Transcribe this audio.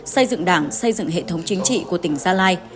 xây dựng đảng xây dựng hệ thống chính trị của tỉnh gia lai